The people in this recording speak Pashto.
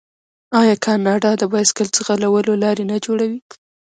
آیا کاناډا د بایسکل ځغلولو لارې نه جوړوي؟